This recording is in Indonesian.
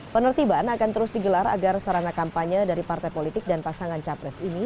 penertiban akan terus digelar agar sarana kampanye dari partai politik dan pasangan capres ini